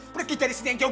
pergi dari sini yang jauh